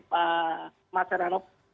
pak mas serhanop